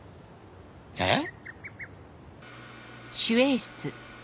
えっ？